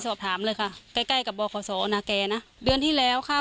สอบถามเลยค่ะใกล้ใกล้กับบขสอนาแก่นะเดือนที่แล้วค่ะ